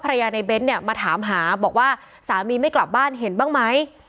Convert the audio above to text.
ในเบ้นเนี่ยมาถามหาบอกว่าสามีไม่กลับบ้านเห็นบ้างไหม